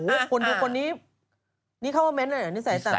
โอ้โหคุณดูคนนี้นี่เขาว่าเม้นเหรอนิสัยต่ำ